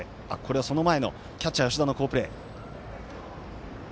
その前のキャッチャー、吉田の好プレー。